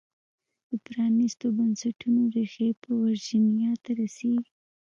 د پرانیستو بنسټونو ریښې په ویرجینیا ته رسېږي.